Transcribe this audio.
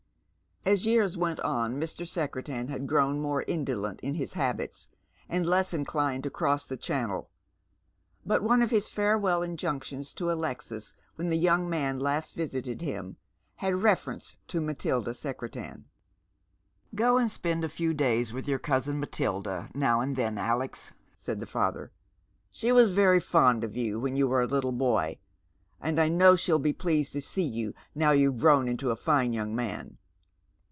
As years went on Mr. Secretan had grown more indolent ia /lis habits, and less inclined to cross the channel, but one of hia farewell injunctions to Alexis when the young man last visited ium had reference to Matilda Secretan. " Go and spend a few days with your cousin Matilda now and then, Alex," said the father. " She was very fond of you when you were a little boy, and I know she'll bo pleased to see you now you've grown into a fine young man.